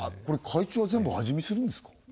これ会長は全部味見するんですか？